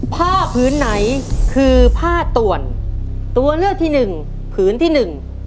ผ้าผืนไหนคือผ้าต่วนตัวเลือกที่หนึ่งผืนที่หนึ่ง